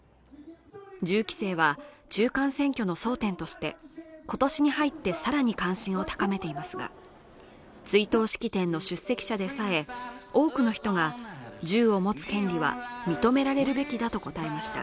銃規制は中間選挙の争点として今年に入ってさらに関心を高めていますが追悼式典の出席者でさえ多くの人が銃を持つ権利は認められるべきだと答えました